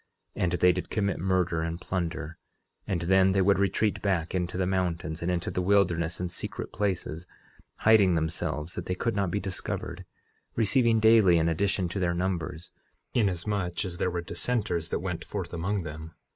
11:25 And they did commit murder and plunder; and then they would retreat back into the mountains, and into the wilderness and secret places, hiding themselves that they could not be discovered, receiving daily an addition to their numbers, inasmuch as there were dissenters that went forth unto them.